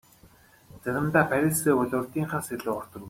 Заримдаа Парисын өвөл урьдынхаас илүү урт үргэлжилнэ.